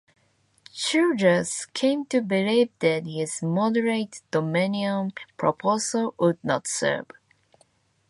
Childers came to believe that his moderate "dominion" proposal would not serve.